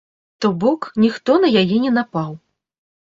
То бок, ніхто на яе не напаў.